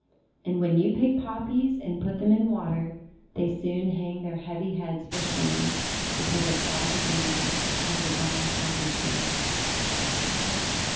And when you pick Poppies and put them in water, they soon hang their heavy heads for shame, because of all the doings of the bad Poppy Seeds.